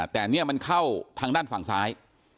แต่เนี่ยมันเข้าทางด้านฝั่งซ้าย